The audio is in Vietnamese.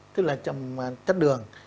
tức là chất đường